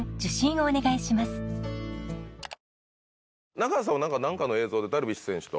中畑さんは何かの映像でダルビッシュ選手と。